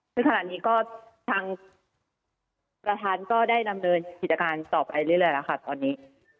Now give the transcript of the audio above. ซึ่งขณะนี้ก็ทางประธานก็ได้ดำเนินกิจการต่อไปเรื่อยแล้วค่ะตอนนี้